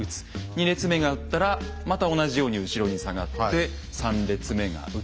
２列目が撃ったらまた同じように後ろに下がって３列目が撃つ。